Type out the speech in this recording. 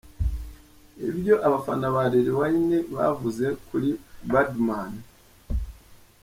Ibyo abafana ba Lil Wayne bavuze kuri Birdman:.